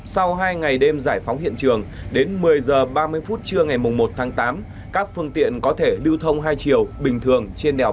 sau hai ngày đêm giải phóng hiện trường đến một mươi h ba mươi phút trưa ngày một tháng tám các phương tiện có thể lưu thông hai chiều bình thường